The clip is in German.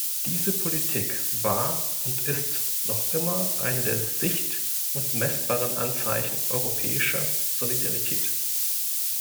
Diese Politik war und ist noch immer eine der sicht- und messbaren Anzeichen europäischer Solidarität.